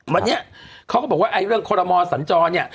วันนี้เขาก็บอกว่าไอ้เรื่องคอรมอสัญจรเนี่ย